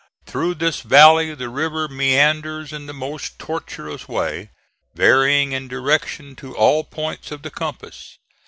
Through this valley the river meanders in the most tortuous way, varying in direction to all points of the compass.